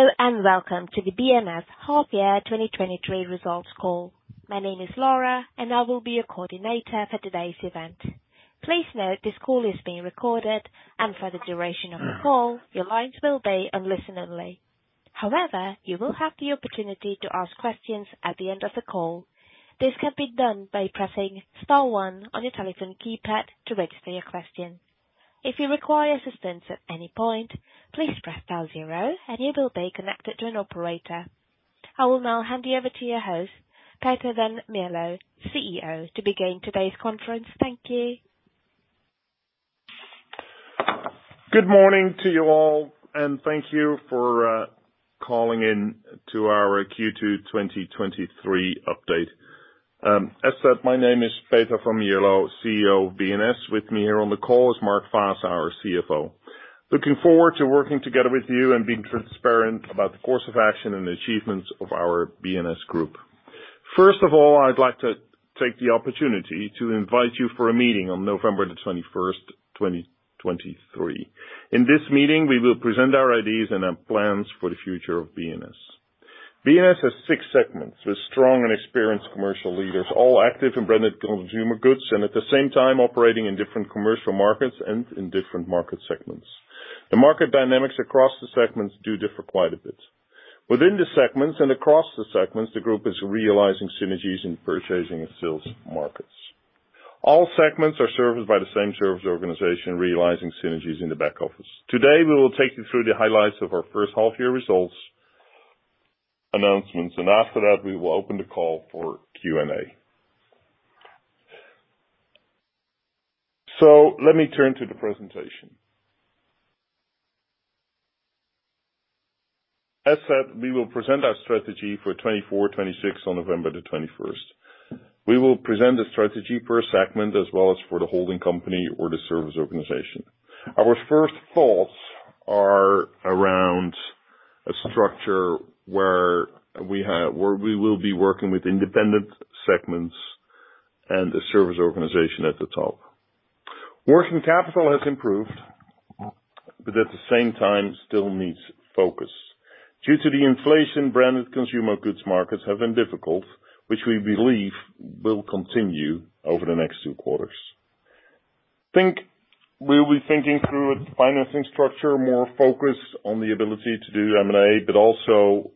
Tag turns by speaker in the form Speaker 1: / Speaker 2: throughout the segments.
Speaker 1: Hello, and welcome to the B&S Half Year 2023 results call. My name is Laura, and I will be your coordinator for today's event. Please note, this call is being recorded, and for the duration of the call, your lines will be on listen only. However, you will have the opportunity to ask questions at the end of the call. This can be done by pressing star one on your telephone keypad to register your question. If you require assistance at any point, please press star zero and you will be connected to an operator. I will now hand you over to your host, Peter van Mierlo, CEO, to begin today's conference. Thank you.
Speaker 2: Good morning to you all, and thank you for calling in to our Q2 2023 update. As said, my name is Peter van Mierlo, CEO of B&S. With me here on the call is Mark Faasse, our CFO. Looking forward to working together with you and being transparent about the course of action and achievements of our B&S Group. First of all, I'd like to take the opportunity to invite you for a meeting on November 21st, 2023. In this meeting, we will present our ideas and our plans for the future of B&S. B&S has six segments with strong and experienced commercial leaders, all active in branded consumer goods, and at the same time operating in different commercial markets and in different market segments. The market dynamics across the segments do differ quite a bit. Within the segments and across the segments, the group is realizing synergies in purchasing and sales markets. All segments are serviced by the same service organization, realizing synergies in the back office. Today, we will take you through the highlights of our first half year results announcements, and after that, we will open the call for Q&A. Let me turn to the presentation. As said, we will present our strategy for 2024-2026 on November the 21st. We will present a strategy per segment as well as for the holding company or the service organization. Our first thoughts are around a structure where we will be working with independent segments and the service organization at the top. Working capital has improved, but at the same time still needs focus. Due to the inflation, branded consumer goods markets have been difficult, which we believe will continue over the next two quarters. We'll be thinking through a financing structure, more focused on the ability to do M&A, but also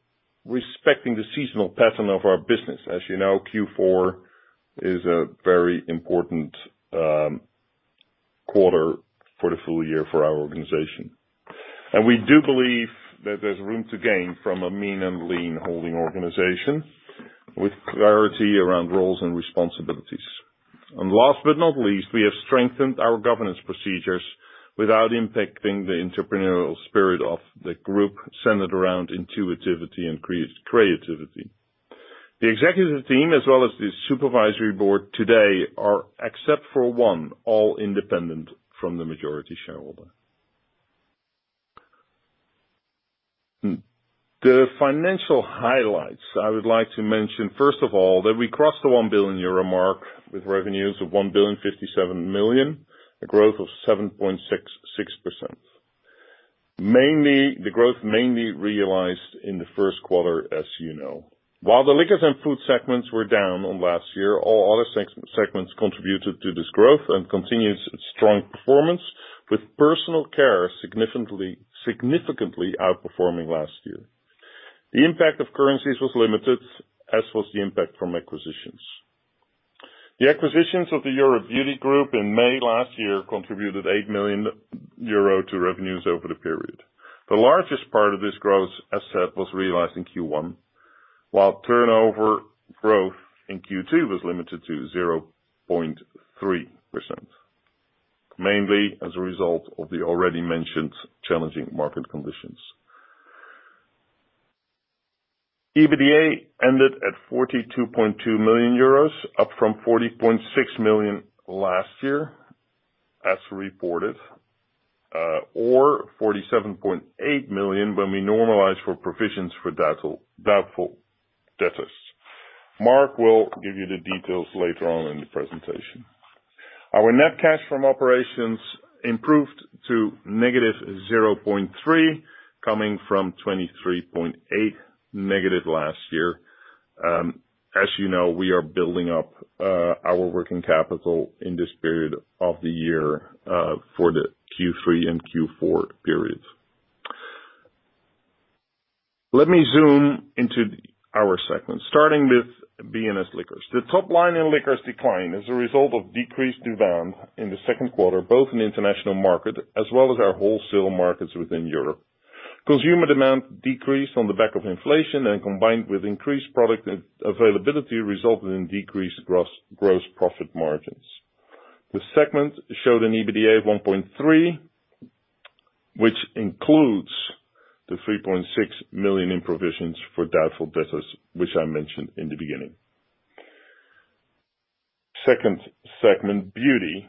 Speaker 2: respecting the seasonal pattern of our business. As you know, Q4 is a very important quarter for the full year for our organization. We do believe that there's room to gain from a mean and lean holding organization with clarity around roles and responsibilities. Last but not least, we have strengthened our governance procedures without impacting the entrepreneurial spirit of the group, centered around initiative and creativity. The executive team, as well as the Supervisory Board today, are, except for one, all independent from the majority shareholder. The financial highlights, I would like to mention, first of all, that we crossed the 1 billion euro mark, with revenues of 1.57 billion, a growth of 7.66%. The growth mainly realized in the first quarter, as you know. While the Liquors and Food segments were down on last year, all other segments contributed to this growth and continues its strong performance, with Personal Care significantly, significantly outperforming last year. The impact of currencies was limited, as was the impact from acquisitions. The acquisitions of the Europe Beauty Group in May last year contributed 8 million euro to revenues over the period. The largest part of this growth, as said, was realized in Q1, while turnover growth in Q2 was limited to 0.3%, mainly as a result of the already mentioned challenging market conditions. EBITDA ended at 42.2 million euros, up from 40.6 million last year, as reported, or 47.8 million when we normalize for provisions for doubtful debtors. Mark will give you the details later on in the presentation. Our net cash from operations improved to -0.3 million, coming from -23.8 million negative last year. As you know, we are building up our working capital in this period of the year for the Q3 and Q4 periods. Let me zoom into our segments, starting with B&S Liquors. The top line in Liquors declined as a result of decreased demand in the second quarter, both in the international market as well as our wholesale markets within Europe. Consumer demand decreased on the back of inflation and, combined with increased product availability, resulted in decreased gross profit margins. The segment showed an EBITDA of 1.3 million, which includes the 3.6 million in provisions for doubtful debtors, which I mentioned in the beginning. Second segment, Beauty.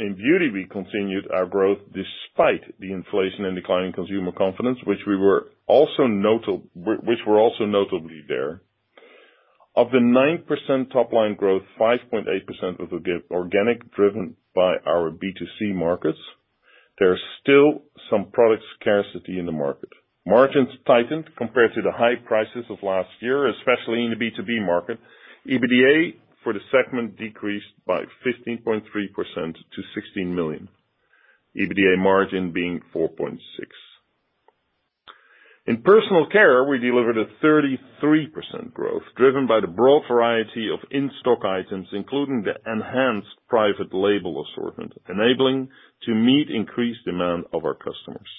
Speaker 2: In Beauty, we continued our growth despite the inflation and declining consumer confidence, which were also notably there. Of the 9% top line growth, 5.8% was organic, driven by our B2C markets. There's still some product scarcity in the market. Margins tightened compared to the high prices of last year, especially in the B2B market. EBITDA for the segment decreased by 15.3% to 16 million, EBITDA margin being 4.6%. In Personal Care, we delivered a 33% growth, driven by the broad variety of in-stock items, including the enhanced private label assortment, enabling to meet increased demand of our customers.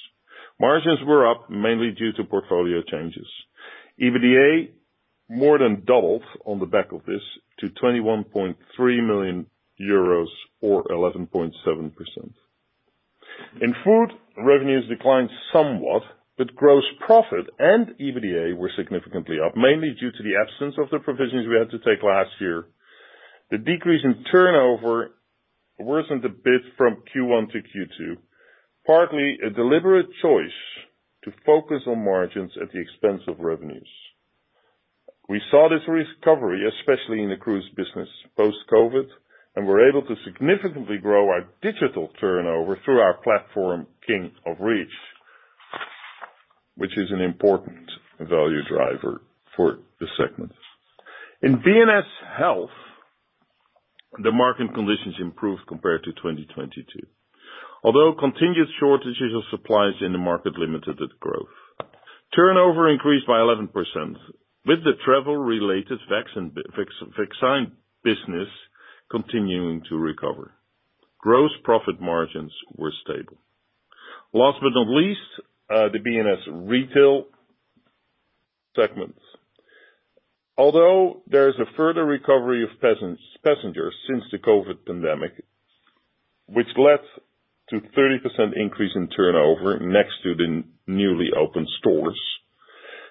Speaker 2: Margins were up, mainly due to portfolio changes. EBITDA more than doubled on the back of this to 21.3 million euros or 11.7%. In Food, revenues declined somewhat, gross profit and EBITDA were significantly up, mainly due to the absence of the provisions we had to take last year. The decrease in turnover worsened a bit from Q1 to Q2, partly a deliberate choice to focus on margins at the expense of revenues. We saw this recovery, especially in the cruise business, post-COVID, we're able to significantly grow our digital turnover through our platform, King of Reach, which is an important value driver for the segment. In B&S Health, the market conditions improved compared to 2022, although continuous shortages of supplies in the market limited its growth. Turnover increased by 11%, with the travel-related vaccine business continuing to recover. Gross profit margins were stable. Last but not least, the B&S Travel Retail segment. Although there is a further recovery of passengers since the COVID pandemic, which led to 30% increase in turnover next to the newly opened stores,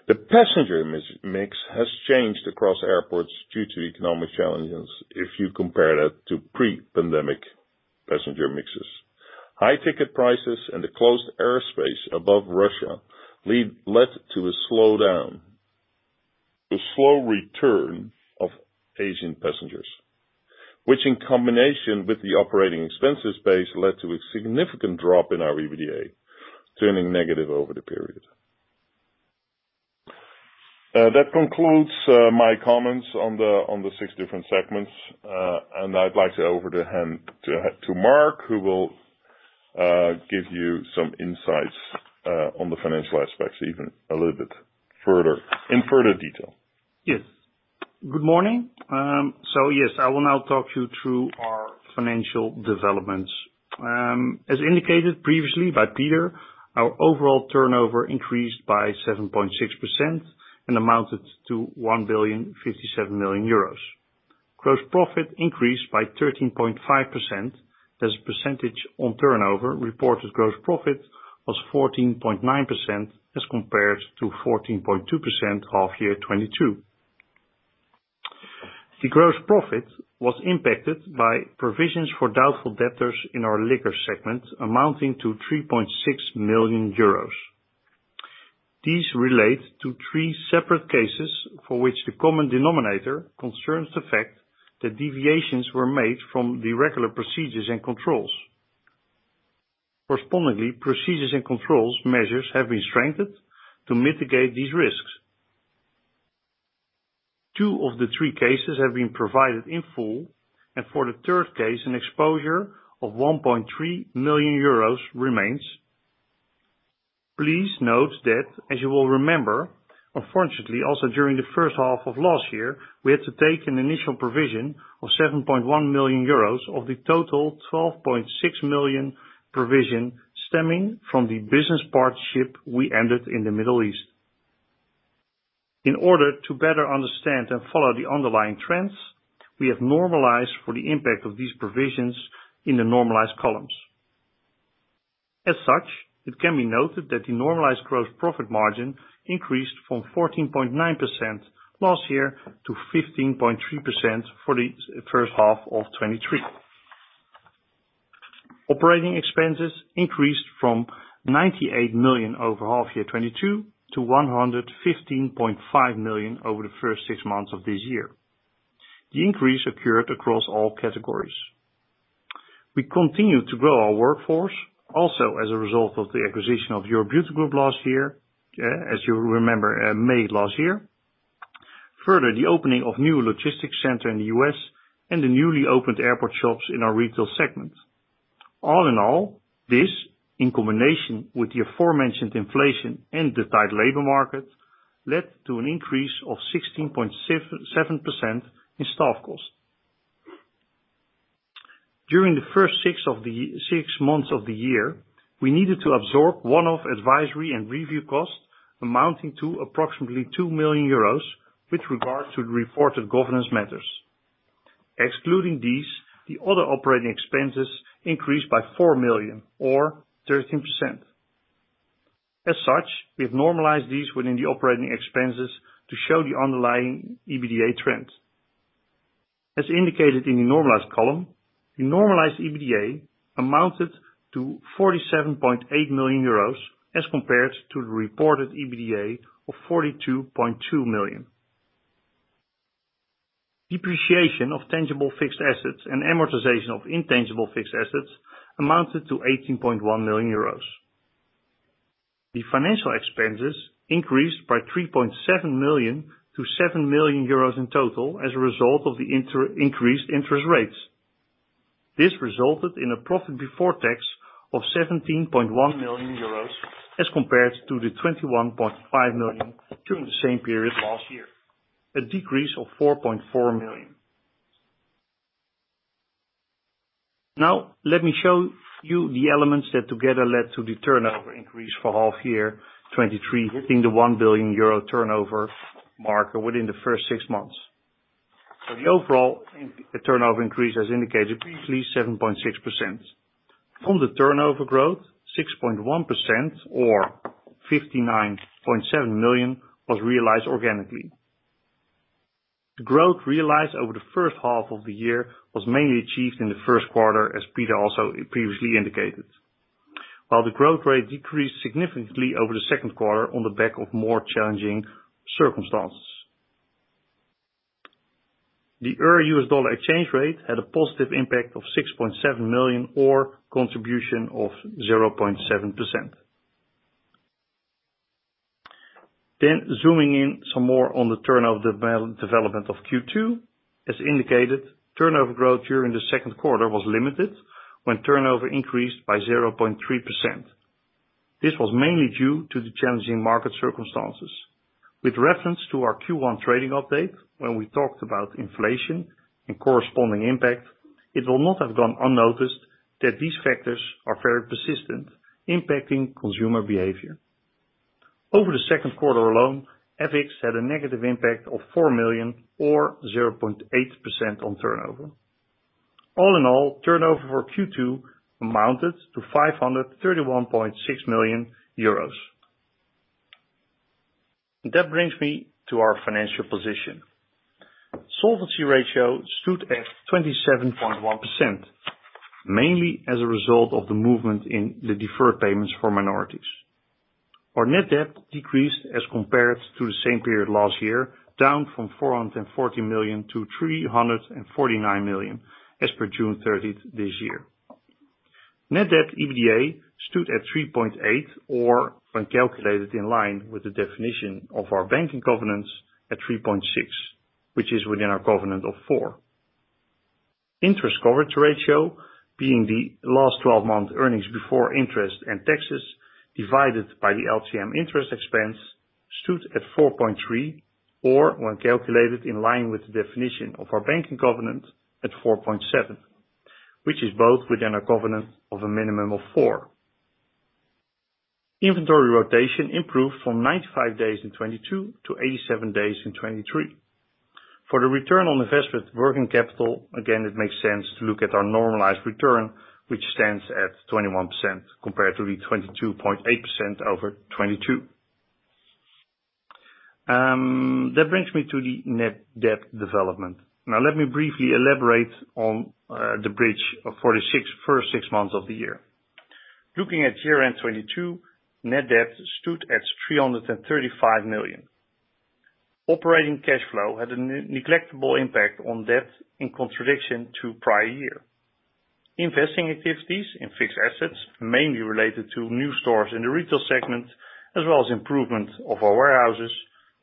Speaker 2: the passenger mix has changed across airports due to economic challenges, if you compare that to pre-pandemic passenger mixes. High ticket prices and the closed airspace above Russia led to a slowdown, a slow return of Asian passengers, which, in combination with the operating expenses base, led to a significant drop in our EBITDA, turning negative over the period. That concludes my comments on the six different segments. I'd like to over to hand to Mark, who will give you some insights on the financial aspects, even a little bit further, in further detail.
Speaker 3: Yes. Good morning. Yes, I will now talk you through our financial developments. As indicated previously by Peter, our overall turnover increased by 7.6% and amounted to 1.057 billion. Gross profit increased by 13.5%. As a percentage on turnover, reported gross profit was 14.9% as compared to 14.2%, half year 2022. The gross profit was impacted by provisions for doubtful debtors in our Liquor segment, amounting to 3.6 million euros. These relate to three separate cases, for which the common denominator concerns the fact that deviations were made from the regular procedures and controls. Correspondingly, procedures and controls measures have been strengthened to mitigate these risks. Two of the three cases have been provided in full, and for the third case, an exposure of 1.3 million euros remains. Please note that, as you will remember, unfortunately, also during the first half of last year, we had to take an initial provision of 7.1 million euros of the total 12.6 million provision stemming from the business partnership we ended in the Middle East. In order to better understand and follow the underlying trends, we have normalized for the impact of these provisions in the normalized columns. As such, it can be noted that the normalized gross profit margin increased from 14.9% last year to 15.3% for the first half of 2023. Operating expenses increased from 98 million over half year 2022 to 115.5 million over the first six months of this year. The increase occurred across all categories. We continued to grow our workforce, also as a result of the acquisition of Europe Beauty Group last year, as you remember, May last year. The opening of new logistics center in the U.S. and the newly opened airport shops in our Retail segment. This, in combination with the aforementioned inflation and the tight labor market, led to an increase of 16.7% in staff costs. During the first six of the six months of the year, we needed to absorb one-off advisory and review costs amounting to approximately 2 million euros with regard to the reported governance matters. Excluding these, the other operating expenses increased by 4 million or 13%. We've normalized these within the operating expenses to show the underlying EBITDA trend. As indicated in the normalized column, the normalized EBITDA amounted to 47.8 million euros as compared to the reported EBITDA of 42.2 million. Depreciation of tangible fixed assets and amortization of intangible fixed assets amounted to 18.1 million euros. The financial expenses increased by 3.7 million to 7 million euros in total as a result of the increased interest rates. This resulted in a profit before tax of 17.1 million euros, as compared to 21.5 million during the same period last year, a decrease of 4.4 million. Let me show you the elements that together led to the turnover increase for half year 2023, hitting the 1 billion euro turnover mark within the first six months. The overall turnover increase, as indicated previously, 7.6%. From the turnover growth, 6.1% or 59.7 million was realized organically. The growth realized over the first half of the year was mainly achieved in the first quarter, as Peter also previously indicated. While the growth rate decreased significantly over the second quarter on the back of more challenging circumstances. The Euro-US dollar exchange rate had a positive impact of 6.7 million or contribution of 0.7%. Zooming in some more on the turnover development of Q2. As indicated, turnover growth during the second quarter was limited when turnover increased by 0.3%. This was mainly due to the challenging market circumstances. With reference to our Q1 trading update, when we talked about inflation and corresponding impact, it will not have gone unnoticed that these factors are very persistent, impacting consumer behavior. Over the second quarter alone, FX had a negative impact of 4 million or 0.8% on turnover. All in all, turnover for Q2 amounted to 531.6 million euros. That brings me to our financial position. Solvency ratio stood at 27.1%, mainly as a result of the movement in the deferred payments for minorities. Our net debt decreased as compared to the same period last year, down from 440 million to 349 million, as per June 30th this year. Net debt EBITDA stood at 3.8, or when calculated in line with the definition of our banking covenants, at 3.6, which is within our covenant of 4. Interest coverage ratio, being the last twelve month earnings before interest and taxes, divided by the LTM interest expense, stood at 4.3, or when calculated in line with the definition of our banking covenant at 4.7, which is both within a covenant of a minimum of 4. Inventory rotation improved from 95 days in 2022 to 87 days in 2023. For the return on invested working capital, again, it makes sense to look at our normalized return, which stands at 21% compared to the 22.8% over 2022. That brings me to the net debt development. Now, let me briefly elaborate on the bridge of 46, first six months of the year. Looking at year-end 2022, net debt stood at 335 million. Operating cash flow had a negligible impact on debt, in contradiction to prior year. Investing activities in fixed assets, mainly related to new stores in the Retail segment, as well as improvement of our warehouses,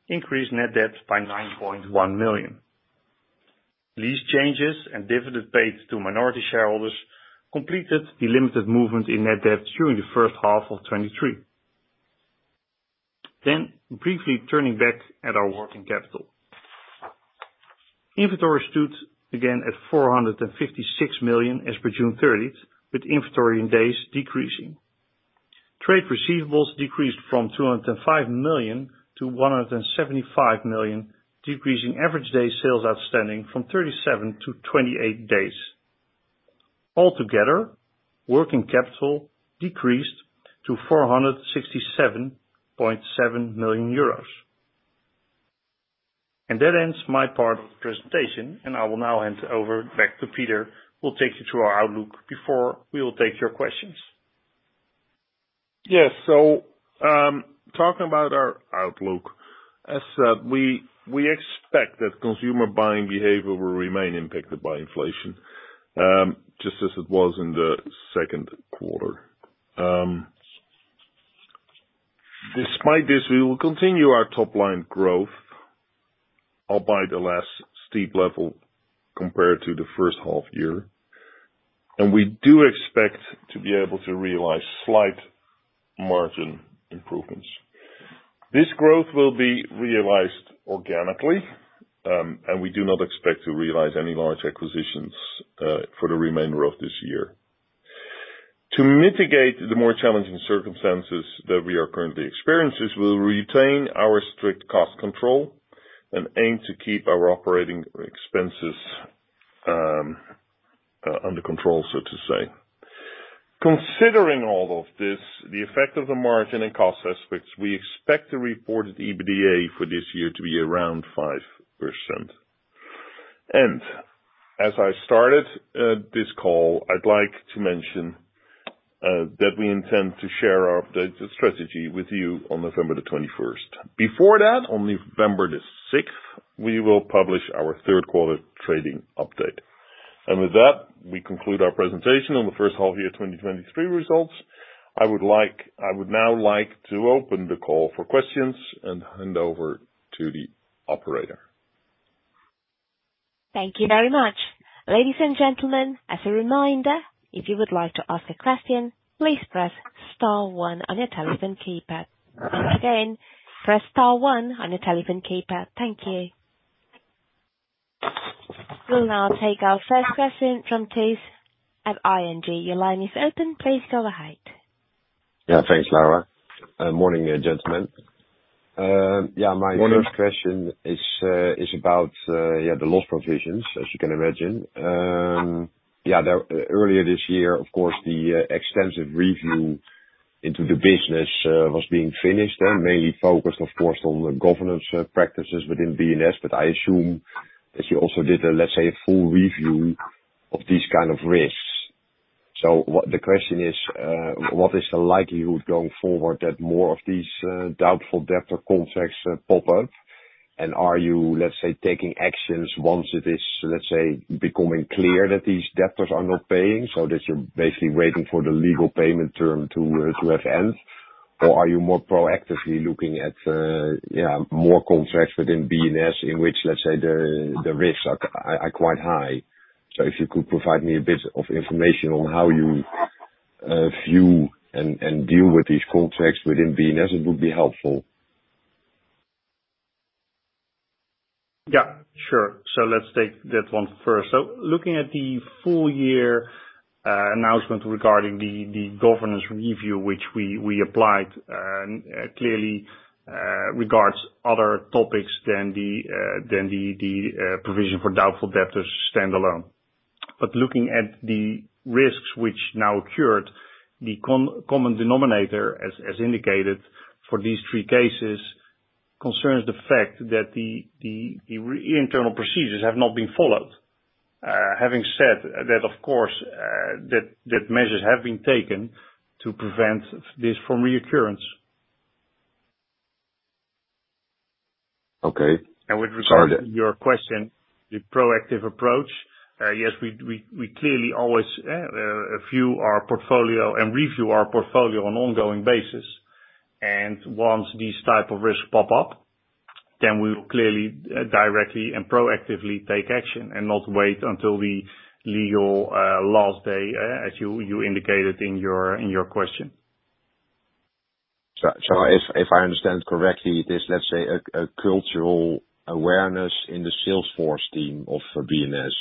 Speaker 3: increased net debt by 9.1 million. Lease changes and dividend paid to minority shareholders completed the limited movement in net debt during the first half of 2023. Briefly turning back at our working capital. Inventory stood again at 456 million as per June 30th, with inventory in days decreasing. Trade receivables decreased from 205 million to 175 million, decreasing average Days Sales Outstanding from 37 to 28 days. Altogether, working capital decreased to 467.7 million euros. That ends my part of the presentation, and I will now hand it over back to Peter, who will take you through our outlook before we will take your questions.
Speaker 2: Talking about our outlook, as we, we expect that consumer buying behavior will remain impacted by inflation, just as it was in the second quarter. Despite this, we will continue our top line growth, albeit a less steep level compared to the first half year, and we do expect to be able to realize slight margin improvements. This growth will be realized organically, and we do not expect to realize any large acquisitions for the remainder of this year. To mitigate the more challenging circumstances that we are currently experiencing, we'll retain our strict cost control and aim to keep our operating expenses under control, so to say. Considering all of this, the effect of the margin and cost aspects, we expect the reported EBITDA for this year to be around 5%. As I started, this call, I'd like to mention, that we intend to share our updated strategy with you on November the 21st. Before that, on November the 6th, we will publish our third quarter trading update. With that, we conclude our presentation on the first half year 2023 results. I would now like to open the call for questions and hand over to the operator.
Speaker 1: Thank you very much. Ladies and gentlemen, as a reminder, if you would like to ask a question, please press star one on your telephone keypad. Again, press star one on your telephone keypad. Thank you. We'll now take our first question from Tijs Hollestelle, at ING. Your line is open. Please go ahead.
Speaker 4: Yeah. Thanks, Laura. Morning, gentlemen. Yeah, my first question is about, yeah, the loss provisions, as you can imagine. Yeah, the, earlier this year, of course, the extensive review into the business was being finished and mainly focused, of course, on the governance practices within B&S, but I assume that you also did a, let's say, a full review of these kind of risks. The question is, what is the likelihood going forward that more of these doubtful debtor contracts pop up? Are you, let's say, taking actions once it is, let's say, becoming clear that these debtors are not paying, so that you're basically waiting for the legal payment term to have end? Are you more proactively looking at more contracts within B&S, in which, let's say, the risks are quite high. If you could provide me a bit of information on how you view and deal with these contracts within B&S, it would be helpful.
Speaker 3: Yeah, sure. Let's take that one first. Looking at the full year, announcement regarding the governance review, which we, we applied, clearly, regards other topics than the provision for doubtful debtors standalone. Looking at the risks which now occurred, the common denominator, as, as indicated, for these three cases, concerns the fact that the internal procedures have not been followed. Having said that, of course, that measures have been taken to prevent this from reoccurrence.
Speaker 4: Okay.
Speaker 3: With regard to your question, the proactive approach, yes, we, we, we clearly, always, view our portfolio and review our portfolio on ongoing basis. Once these type of risks pop up, then we will clearly, directly and proactively take action, and not wait until the legal last day, as you, you indicated in your, in your question.
Speaker 4: If I understand correctly, it is, let's say, a cultural awareness in the salesforce team of B&S?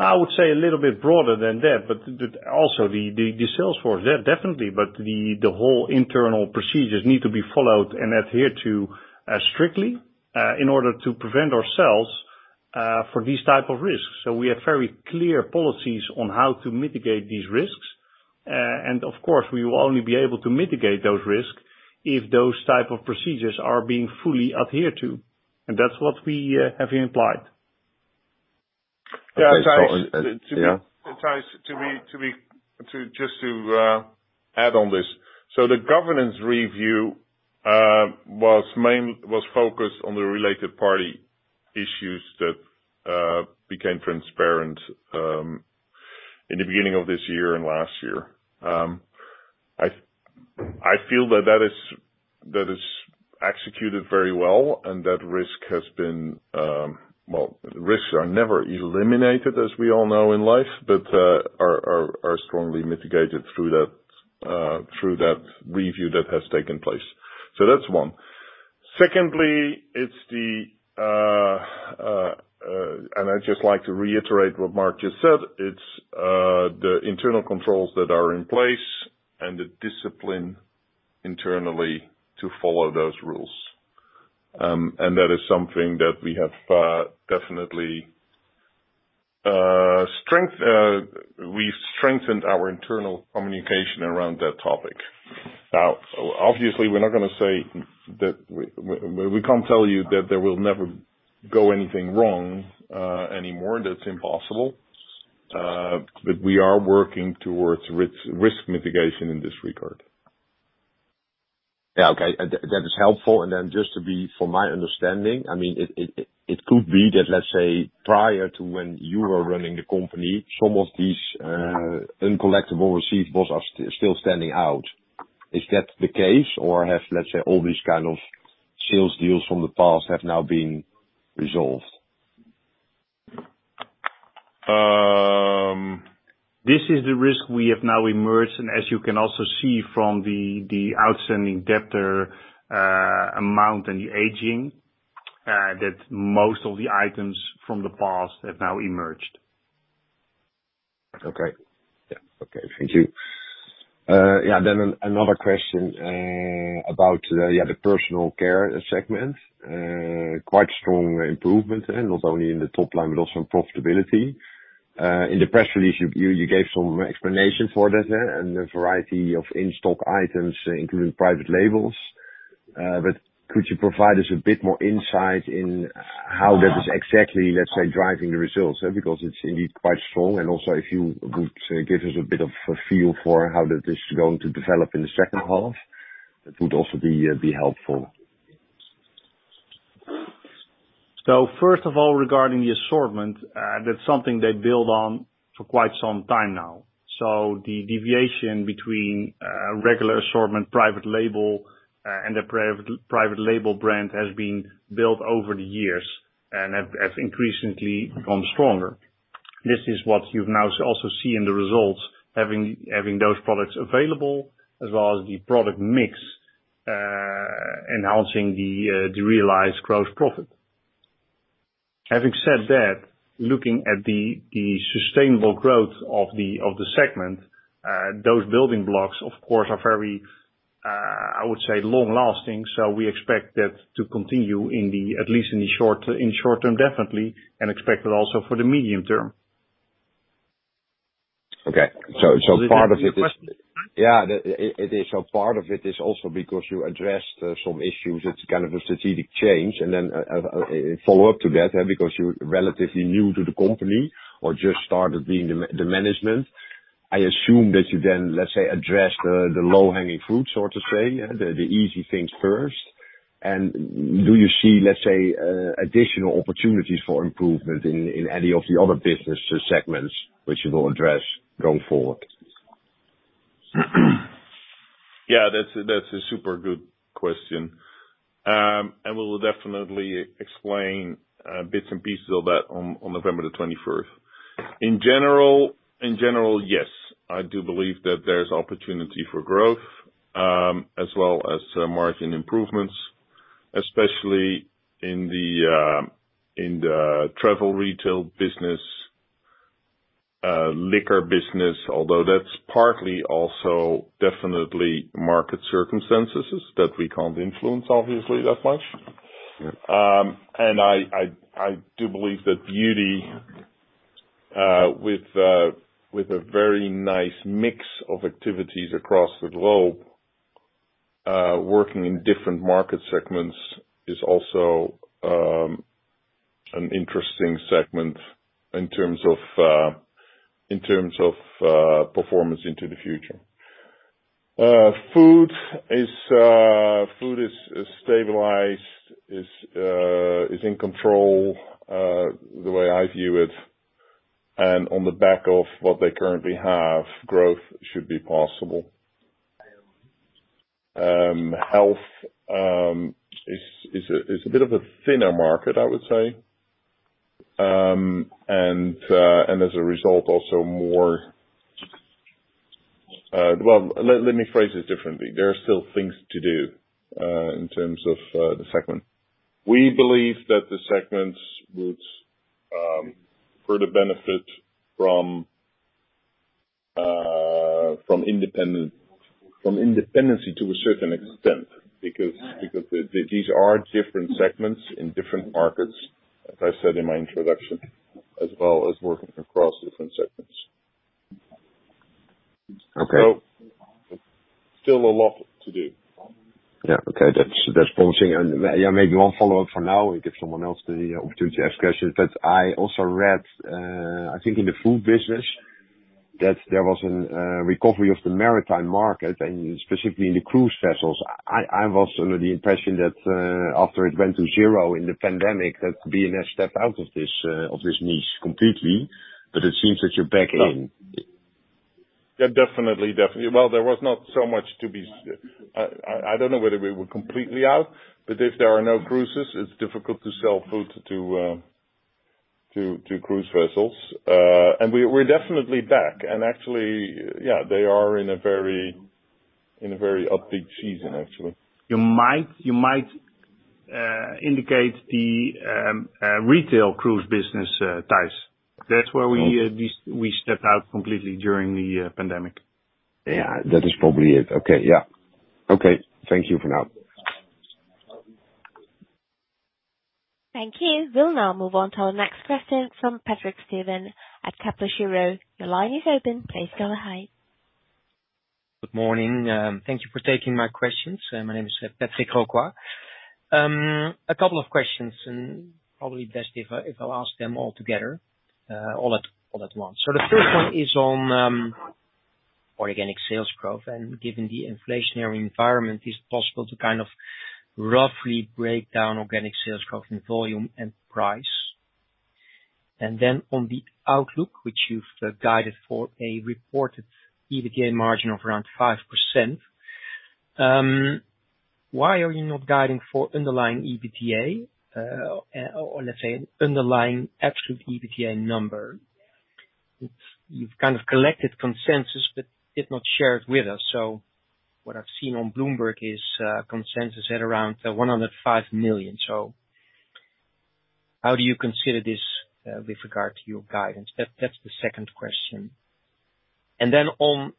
Speaker 3: I would say a little bit broader than that. Also, the salesforce there, definitely, but the whole internal procedures need to be followed and adhered to strictly in order to prevent ourselves for these type of risks. We have very clear policies on how to mitigate these risks. Of course, we will only be able to mitigate those risks, if those type of procedures are being fully adhered to. That's what we have implied.
Speaker 4: Okay, yeah.
Speaker 2: To just to add on this. The governance review was focused on the related party issues that became transparent in the beginning of this year and last year. I, I feel that that is, that is executed very well, and that risk has been. Well, risks are never eliminated, as we all know in life, but are, are, are strongly mitigated through that through that review that has taken place. That's one. Secondly, it's the. I'd just like to reiterate what Mark just said, it's the internal controls that are in place and the discipline internally to follow those rules. That is something that we have definitely strength, we've strengthened our internal communication around that topic. Now, obviously, we're not gonna say that. We can't tell you that there will never go anything wrong, anymore. That's impossible. We are working towards risk, risk mitigation in this regard.
Speaker 4: Yeah, okay. That, that is helpful. Then just to be, for my understanding, I mean, it, it, it, it could be that, let's say, prior to when you were running the company, some of these uncollectible receivables are still standing out. Is that the case, or have, let's say, all these kind of sales deals from the past have now been resolved?
Speaker 3: This is the risk we have now emerged, and as you can also see from the, the outstanding debtor, amount and the aging, that most of the items from the past have now emerged.
Speaker 4: Okay. Yeah. Okay, thank you. Another question about the Personal Care segment. Quite strong improvement, not only in the top line, but also in profitability. In the press release, you gave some explanation for that, the variety of in-stock items, including private labels. Could you provide us a bit more insight in how that is exactly, let's say, driving the results, eh? Because it's indeed quite strong, and also if you would give us a bit of a feel for how that is going to develop in the second half, that would also be helpful.
Speaker 3: First of all, regarding the assortment, that's something they build on for quite some time now. The deviation between regular assortment, private label, and the private label brand has been built over the years and has increasingly become stronger. This is what you now also see in the results, having those products available, as well as the product mix, enhancing the realized gross profit. Having said that, looking at the sustainable growth of the segment, those building blocks, of course, are very, I would say, long-lasting, so we expect that to continue at least in the short, in short term, definitely, and expect it also for the medium term.
Speaker 4: Okay. part of it is-
Speaker 3: Was that your question?
Speaker 4: Yeah, it is. Part of it is also because you addressed some issues, it's kind of a strategic change, and then follow up to that, because you're relatively new to the company or just started being the management. I assume that you then, let's say, address the low-hanging fruit, so to say, yeah, the easy things first. Do you see, let's say, additional opportunities for improvement in any of the other business segments, which you will address going forward?
Speaker 2: Yeah, that's a, that's a super good question. We'll definitely explain bits and pieces of that on, on November the 21st. In general, in general, yes, I do believe that there's opportunity for growth, as well as margin improvements, especially in the travel Retail business, Liquor business, although that's partly also definitely market circumstances that we can't influence, obviously, that much.
Speaker 4: Yeah.
Speaker 2: I, I, I do believe that Beauty, with a very nice mix of activities across the globe, working in different market segments, is also an interesting segment in terms of, in terms of, performance into the future. Food is, Food is, is stabilized, is in control, the way I view it. On the back of what they currently have, growth should be possible. Health is, is a bit of a thinner market, I would say. As a result, also more... Well, let me phrase this differently. There are still things to do, in terms of, the segment. We believe that the segments would further benefit from independency to a certain extent, because, because the, these are different segments in different markets, as I said in my introduction, as well as working across different segments.
Speaker 4: Okay.
Speaker 2: Still a lot to do.
Speaker 4: Yeah. Okay, that's, that's promising. Yeah, maybe one follow-up for now, we give someone else the opportunity to ask questions. I also read, I think in the Food business, that there was an, recovery of the maritime market, and specifically in the cruise vessels. I, I was under the impression that, after it went to zero in the pandemic, that B&S stepped out of this, of this niche completely, but it seems that you're back in.
Speaker 2: Yeah, definitely, definitely. Well, there was not so much to be... I don't know whether we were completely out, but if there are no cruises, it's difficult to sell Food to, to cruise vessels. We're, we're definitely back, and actually, yeah, they are in a very, in a very upbeat season, actually.
Speaker 3: You might, you might indicate the Retail cruise business ties. That's where we, we, we stepped out completely during the pandemic.
Speaker 4: Yeah, that is probably it. Okay, yeah. Okay, thank you for now.
Speaker 1: Thank you. We'll now move on to our next question from Patrick Roquas at Kepler Cheuvreux. Your line is open. Please go ahead.
Speaker 5: Good morning. Thank you for taking my questions. My name is Patrick Roquas. A couple of questions, and probably best if I, if I ask them all together, all at, all at once. The first one is on organic sales growth, and given the inflationary environment, is it possible to kind of roughly break down organic sales growth in volume and price? On the outlook, which you've guided for a reported EBITDA margin of around 5%, why are you not guiding for underlying EBITDA, or, let's say, an underlying absolute EBITDA number? You've kind of collected consensus, but did not share it with us. What I've seen on Bloomberg is consensus at around 105 million. How do you consider this with regard to your guidance? That, that's the second question. Then on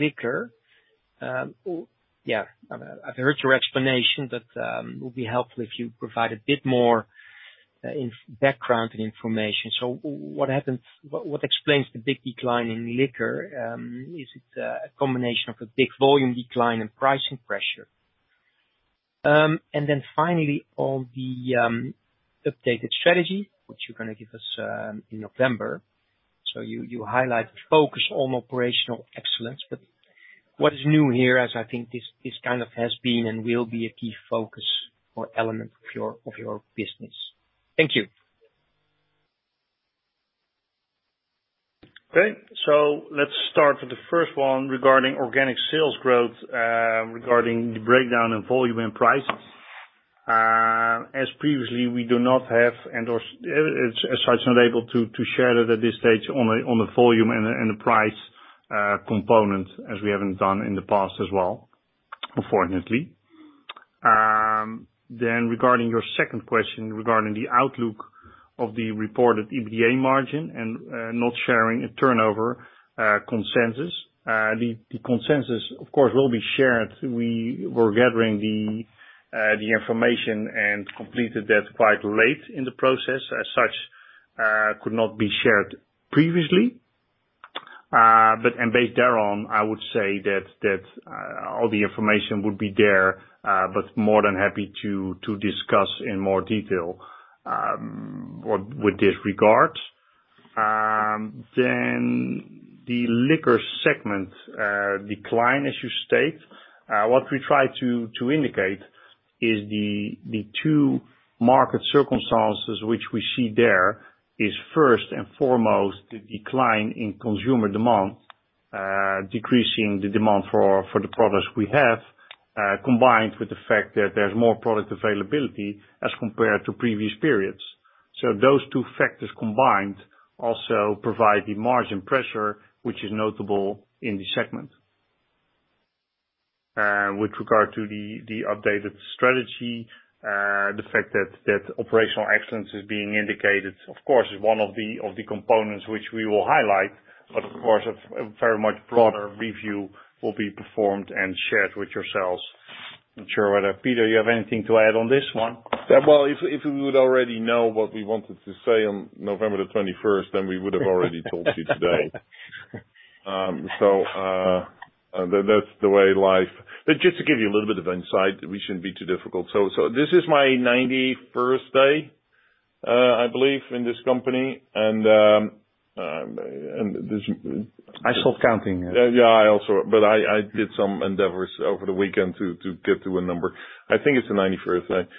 Speaker 5: Liquor. Yeah, I've heard your explanation, but it would be helpful if you provide a bit more background and information. What happened, what explains the big decline in Liquor? Is it a combination of a big volume decline and pricing pressure? Then finally, on the updated strategy, which you're gonna give us in November. You highlight focus on operational excellence, but what is new here, as I think this kind of has been and will be a key focus or element of your business? Thank you.
Speaker 3: Okay, let's start with the first one regarding organic sales growth, regarding the breakdown of volume and price. As previously, we do not have, and/or, as, as such, not able to, to share that at this stage on the, on the volume and the, and the price component, as we haven't done in the past as well, unfortunately. Regarding your second question, regarding the outlook of the reported EBITDA margin and not sharing a turnover consensus. The, the consensus, of course, will be shared. We were gathering the information and completed that quite late in the process, as such, could not be shared previously. Based thereon, I would say that, that, all the information would be there, but more than happy to, to discuss in more detail, what... With this regard. Then the Liquor segment, decline, as you state, what we try to indicate is the two market circumstances which we see there, is first and foremost, the decline in consumer demand, decreasing the demand for the products we have, combined with the fact that there's more product availability as compared to previous periods. Those two factors combined also provide the margin pressure, which is notable in the segment. With regard to the updated strategy, the fact that operational excellence is being indicated, of course, is one of the components which we will highlight, but of course, a very much broader review will be performed and shared with yourselves. Not sure whether, Peter, you have anything to add on this one?
Speaker 2: Well, if, if we would already know what we wanted to say on November the 21st, then we would have already told you today. That's the way, life. Just to give you a little bit of insight, we shouldn't be too difficult. This is my 91st day, I believe, in this company. There's.
Speaker 5: I stopped counting.
Speaker 2: Yeah, I also, but I, I did some endeavors over the weekend to, to get to a number. I think it's the 91st day.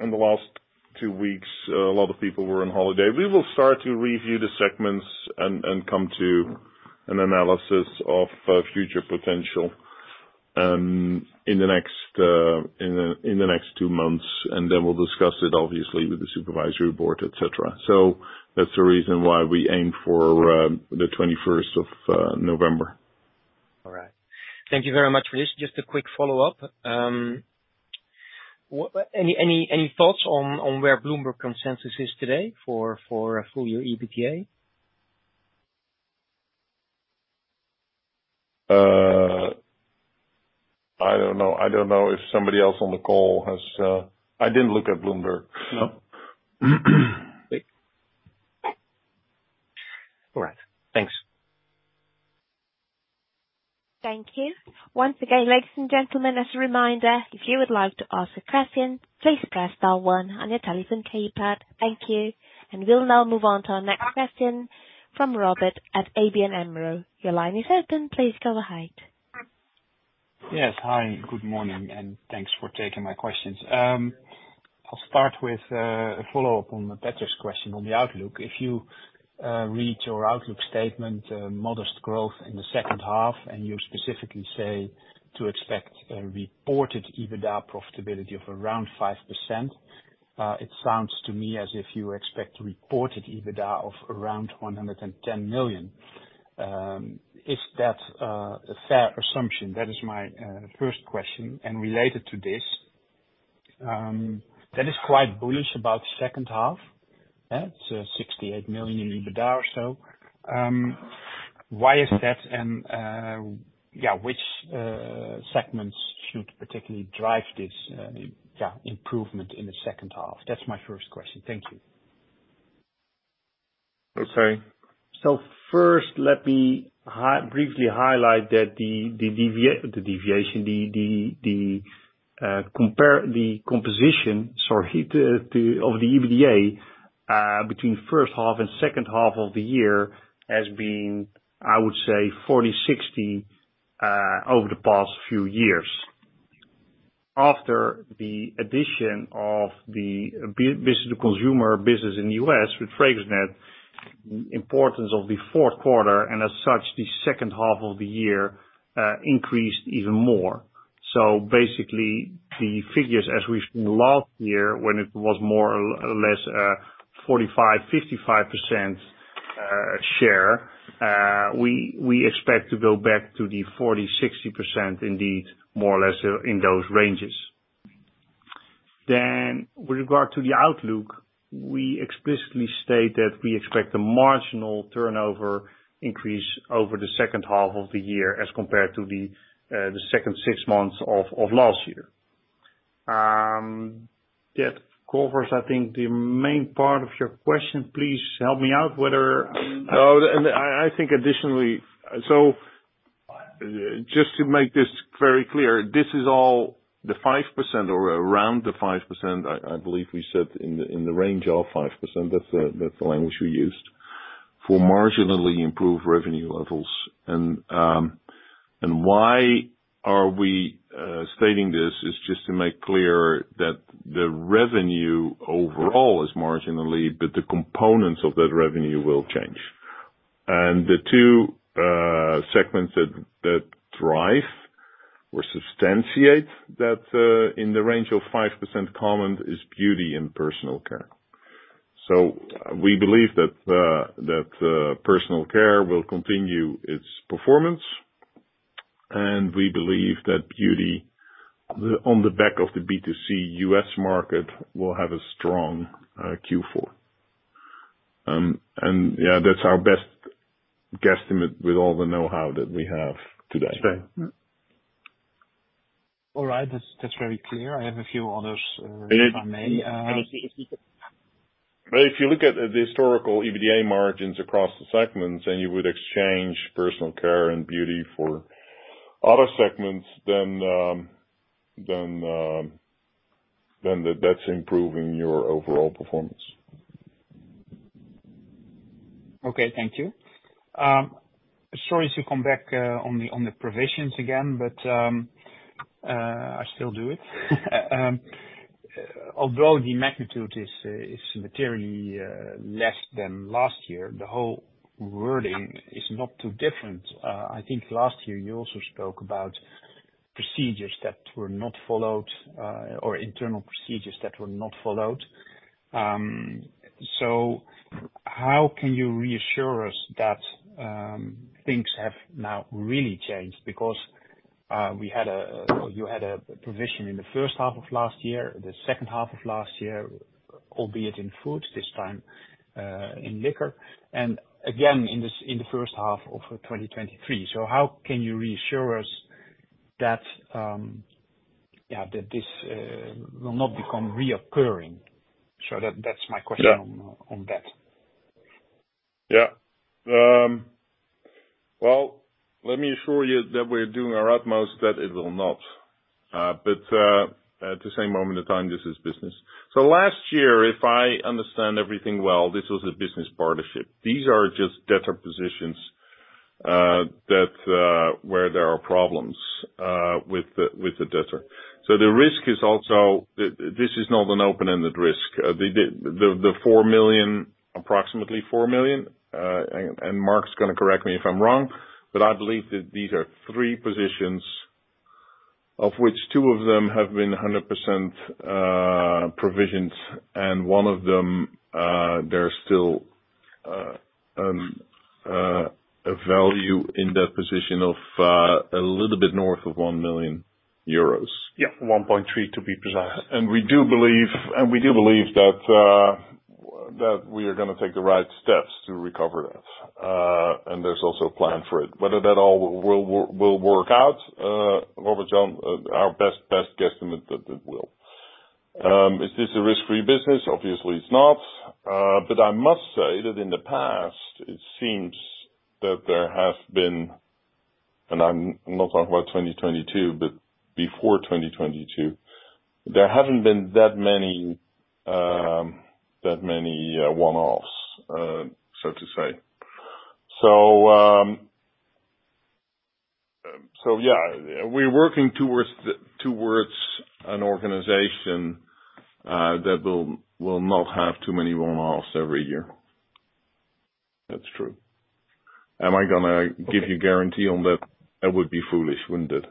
Speaker 2: In the last two weeks, a lot of people were on holiday. We will start to review the segments and come to an analysis of future potential in the next in the next two months, and then we'll discuss it obviously with the Supervisory Board, et cetera. That's the reason why we aim for the 21st of November.
Speaker 5: All right. Thank you very much for this. Just a quick follow-up. Any, any, any thoughts on, on where Bloomberg consensus is today for, for a full year EBITA?
Speaker 2: I don't know. I don't know if somebody else on the call has. I didn't look at Bloomberg.
Speaker 5: No. All right. Thanks.
Speaker 1: Thank you. Once again, ladies and gentlemen, as a reminder, if you would like to ask a question, please press star one on your telephone keypad. Thank you. We'll now move on to our next question from Robert at ABN AMRO. Your line is open. Please go ahead.
Speaker 6: Yes, hi, good morning, thanks for taking my questions. I'll start with a follow-up on Peter's question on the outlook. If you read your outlook statement, modest growth in the second half, and you specifically say to expect a reported EBITDA profitability of around 5%, it sounds to me as if you expect reported EBITDA of around 110 million. Is that a fair assumption? That is my first question. Related to this, that is quite bullish about the second half, yeah? It's 68 million in EBITDA or so. Why is that, and yeah, which segments should particularly drive this, yeah, improvement in the second half? That's my first question. Thank you.
Speaker 3: Okay. first, let me briefly highlight that the deviation, the composition, sorry, of the EBITDA between first half and second half of the year, has been, I would say, 40%-60% over the past few years. After the addition of the business to consumer business in the U.S. with FragranceNet, importance of the fourth quarter, and as such, the second half of the year, increased even more. basically, the figures as we've seen last year, when it was more or less, 45-55%-... share, we, we expect to go back to the 40%-60%, indeed, more or less, in those ranges. With regard to the outlook, we explicitly state that we expect a marginal turnover increase over the second half of the year as compared to the second six months of last year. That covers, I think, the main part of your question. Please help me out, whether.
Speaker 2: Oh, I, I think additionally... Just to make this very clear, this is all the 5% or around the 5%, I, I believe we said in the, in the range of 5%, that's the, that's the language we used, for marginally improved revenue levels. Why are we stating this, is just to make clear that the revenue overall is marginally, but the components of that revenue will change. The two segments that, that drive or substantiate that in the range of 5% comment is Beauty and Personal Care. We believe that Personal Care will continue its performance, and we believe that Beauty, the, on the back of the B2C U.S. market, will have a strong Q4. Yeah, that's our best guesstimate with all the know-how that we have today.
Speaker 6: All right, that's, that's very clear. I have a few others, if I may.
Speaker 2: If you look at the historical EBITDA margins across the segments, and you would exchange Personal Care and Beauty for other segments, then, then, then that's improving your overall performance.
Speaker 6: Okay. Thank you. Sorry to come back on the provisions again. I still do it. Although the magnitude is materially less than last year, the whole wording is not too different. I think last year you also spoke about procedures that were not followed, or internal procedures that were not followed. How can you reassure us that things have now really changed? Because we had a... You had a provision in the first half of last year, the second half of last year, albeit in Food, this time, in Liquor, and again, in the first half of 2023. How can you reassure us that, yeah, that this will not become recurring? That, that's my question.
Speaker 2: Yeah...
Speaker 6: on, on that.
Speaker 2: Yeah. Well, let me assure you that we're doing our utmost, that it will not. At the same moment in time, this is business. Last year, if I understand everything well, this was a business partnership. These are just debtor positions that where there are problems with the debtor. The risk is also... This is not an open-ended risk. The 4 million, approximately 4 million, and Mark's gonna correct me if I'm wrong, but I believe that these are three positions, of which two of them have been 100% provisions, and one of them, there's still a value in that position of a little bit north of 1 million euros.
Speaker 3: Yeah, 1.3 million, to be precise.
Speaker 2: We do believe, and we do believe that, that we are gonna take the right steps to recover that. There's also a plan for it. Whether that all will work out, Robert-Jan, our best, best guesstimate that it will. Is this a risk-free business? Obviously, it's not. I must say that in the past, it seems that there have been, and I'm not talking about 2022, but before 2022, there haven't been that many, that many one-offs, so to say. Yeah, we're working towards an organization, that will, will not have too many one-offs every year. That's true. Am I gonna give you guarantee on that? I would be foolish, wouldn't it?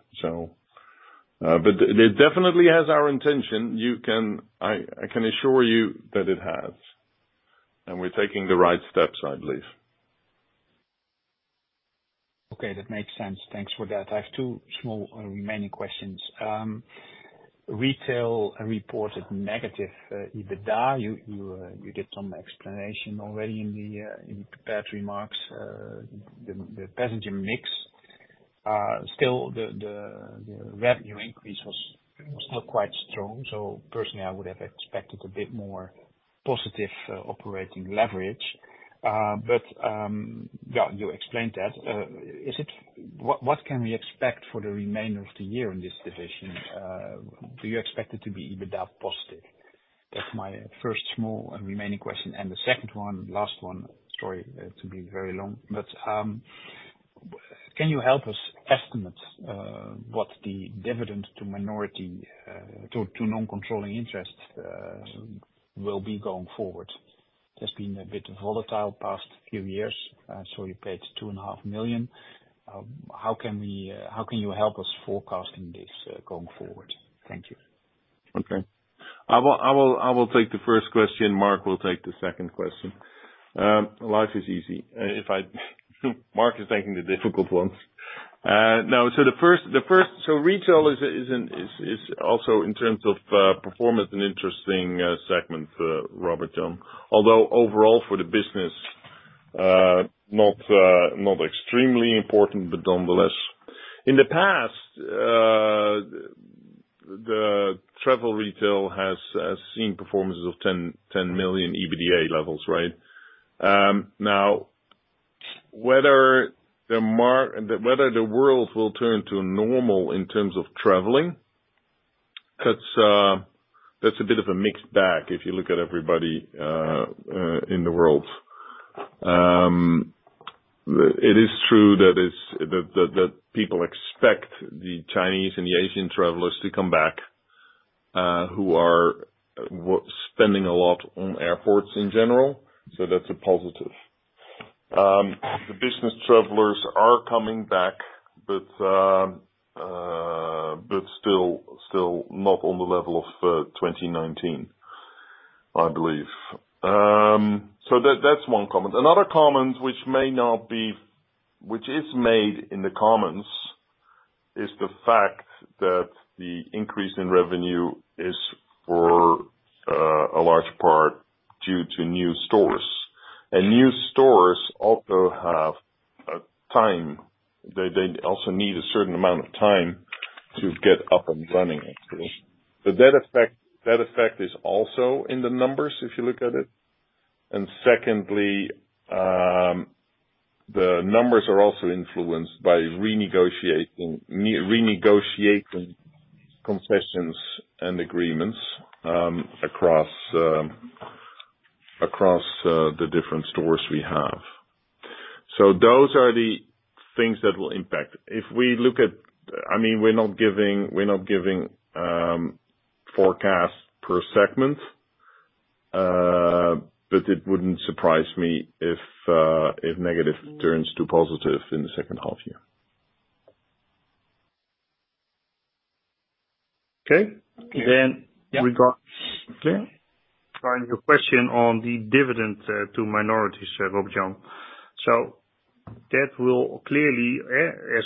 Speaker 2: It definitely has our intention. You can. I can assure you that it has, and we're taking the right steps, I believe.
Speaker 6: Okay, that makes sense. Thanks for that. I have two small remaining questions. Retail reported negative EBITDA. You gave some explanation already in the in prepared remarks, the passenger mix. Still, the revenue increase was still quite strong, so personally, I would have expected a bit more positive operating leverage. But, yeah, you explained that. What can we expect for the remainder of the year in this division? Do you expect it to be EBITDA positive? That's my first small and remaining question. The second one, last one, sorry to be very long, but, can you help us estimate what the dividend to minority to non-controlling interests will be going forward? It's been a bit volatile past few years. You paid 2.5 million. How can you help us forecasting this going forward? Thank you.
Speaker 2: Okay. I will, I will, I will take the first question, Mark will take the second question. Life is easy, if I Mark is taking the difficult ones. No, Retail is, is in, is, is also in terms of performance, an interesting segment for Robert-Jan. Although overall for the business, not extremely important, but nonetheless. In the past, the travel Retail has, has seen performances of 10 million EBITDA levels, right? Now, whether the mar- whether the world will turn to normal in terms of traveling, that's a bit of a mixed bag if you look at everybody in the world. It is true that it's, that, that, that people expect the Chinese and the Asian travelers to come back, who are spending a lot on airports in general, so that's a positive. The business travelers are coming back, but still, still not on the level of 2019, I believe. That, that's one comment. Another comment which may not be... Which is made in the comments, is the fact that the increase in revenue is for a large part, due to new stores. New stores also have a time, they, they also need a certain amount of time to get up and running, actually. That effect, that effect is also in the numbers, if you look at it. Secondly, the numbers are also influenced by renegotiating, renegotiating concessions and agreements, across, across, the different stores we have. Those are the things that will impact. If we look at. I mean, we're not giving, we're not giving, forecast per segment, but it wouldn't surprise me if, if negative turns to positive in the second half year.
Speaker 3: Okay. we-
Speaker 2: Yeah.
Speaker 3: Okay. Finally, your question on the dividend, to minorities, Robert-Jan. That will clearly, as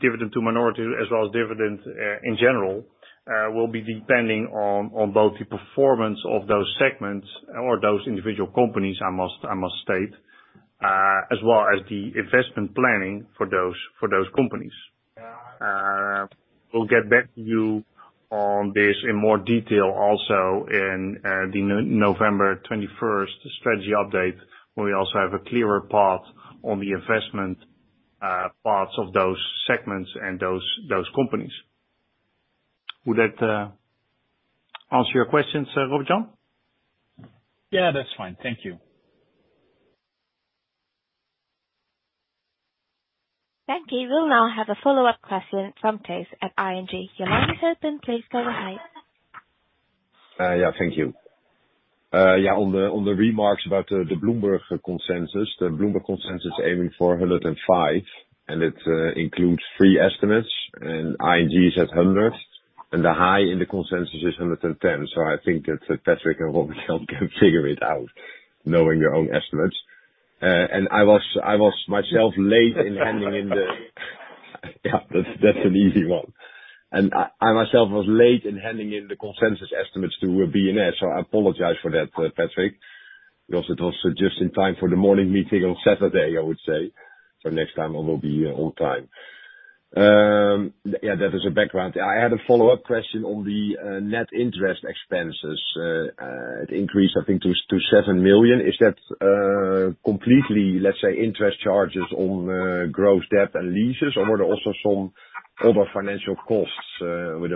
Speaker 3: dividend to minorities as well as dividends, in general, will be depending on both the performance of those segments or those individual companies, I must, I must state, as well as the investment planning for those, for those companies. We'll get back to you on this in more detail, also in the November 21st strategy update, where we also have a clearer path on the investment parts of those segments and those, those companies. Would that answer your question, sir Robert-Jan?
Speaker 6: Yeah, that's fine. Thank you.
Speaker 1: Thank you. We'll now have a follow-up question from Tijs at ING. Your line is open. Please go ahead.
Speaker 4: Yeah, thank you. Yeah, on the, on the remarks about the Bloomberg consensus, the Bloomberg consensus aiming for 105, it includes three estimates, ING is at 100, and the high in the consensus is 110. I think that Patrick and Robert-Jan can figure it out, knowing your own estimates. Yeah, that's, that's an easy one. I, I myself, was late in handing in the consensus estimates to B&S, I apologize for that, Patrick, because it was just in time for the morning meeting on Saturday, I would say. Next time I will be on time. Yeah, that is the background. I had a follow-up question on the net interest expenses. It increased, I think to 7 million. Is that completely, let's say, interest charges on gross debt and leases, or were there also some other financial costs with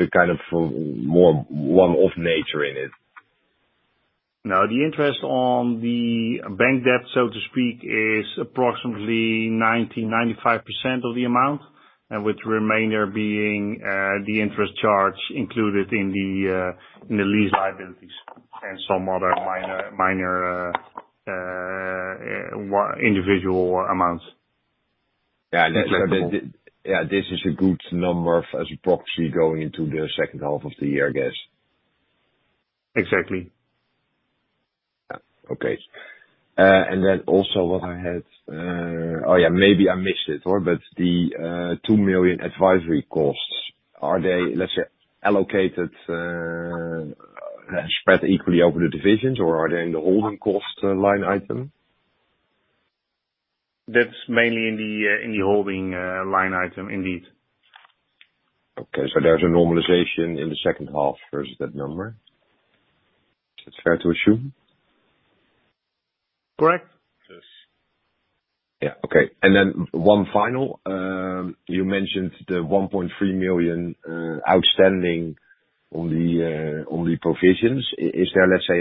Speaker 4: a kind of more one-off nature in it?
Speaker 3: No, the interest on the bank debt, so to speak, is approximately 90%-95% of the amount, and with the remainder being the interest charge included in the lease liabilities, and some other minor, minor individual amounts.
Speaker 4: Yeah. Yeah, this is a good number as a proxy going into the second half of the year, I guess.
Speaker 3: Exactly.
Speaker 4: Yeah. Okay. Also what I had... Oh, yeah, maybe I missed it, or, but the, 2 million advisory costs, are they, let's say, allocated, spread equally over the divisions, or are they in the holding cost line item?
Speaker 3: That's mainly in the, in the holding, line item, indeed.
Speaker 4: There's a normalization in the second half for that number? It's fair to assume?
Speaker 3: Correct.
Speaker 2: Yes.
Speaker 4: Yeah. Okay. Then one final. You mentioned the 1.3 million outstanding on the on the provisions. Is there, let's say,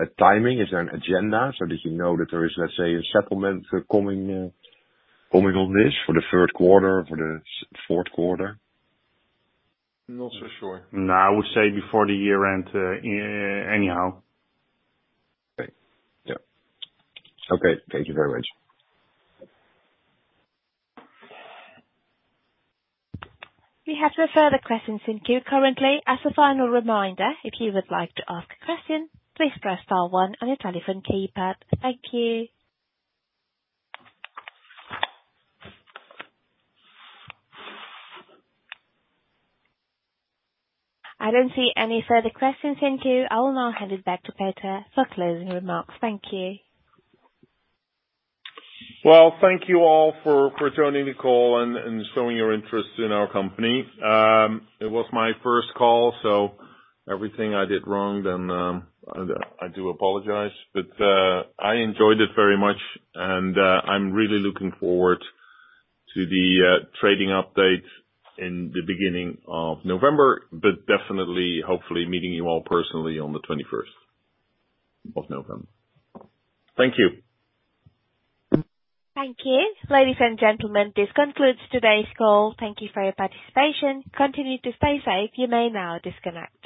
Speaker 4: a timing? Is there an agenda, so that you know that there is, let's say, a settlement coming on this for the third quarter, for the fourth quarter?
Speaker 2: Not so sure.
Speaker 3: No, I would say before the year end, anyhow.
Speaker 4: Okay. Yeah. Okay, thank you very much.
Speaker 1: We have no further questions in queue currently. As a final reminder, if you would like to ask a question, please press star one on your telephone keypad. Thank you. I don't see any further questions in queue. I will now hand it back to Peter for closing remarks. Thank you.
Speaker 2: Well, thank you all for, for joining the call and, and showing your interest in our company. It was my first call, so everything I did wrong then, I, I do apologize, but, I enjoyed it very much, and, I'm really looking forward to the trading update in the beginning of November, but definitely, hopefully, meeting you all personally on the 21st of November. Thank you.
Speaker 1: Thank you. Ladies and gentlemen, this concludes today's call. Thank you for your participation. Continue to stay safe. You may now disconnect.